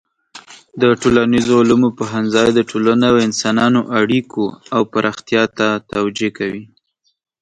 د ټولنیزو علومو پوهنځی د ټولنې او انسانانو اړیکو او پراختیا ته توجه کوي.